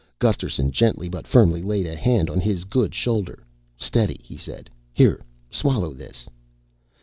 Gusterson gently but firmly laid a hand on his good shoulder. "Steady," he said. "Here, swallow this."